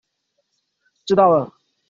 知道了